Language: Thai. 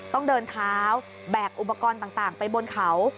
ต้องเดินเท้าแบกอุปกรณ์ต่างไปบนเขา